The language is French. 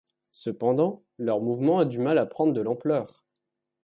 Cependant, leur mouvement a du mal à prendre de l'ampleur.